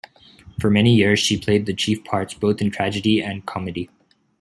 For many years she played the chief parts both in tragedy and comedy.